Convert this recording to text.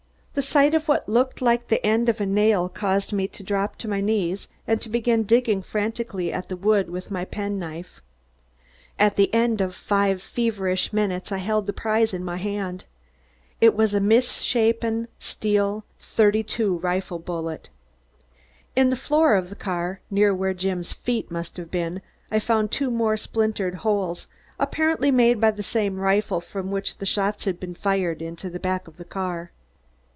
The sight of what looked like the end of a nail caused me to drop to my knees and to begin digging frantically at the wood with my pen knife. At the end of five feverish minutes I held the prize in my hand. It was a misshapen, steel, "32" rifle bullet. In the floor of the car, near where Jim's feet must have been, I found two more splintered holes, apparently made by the same rifle from which the shots had been fired into the back of the car.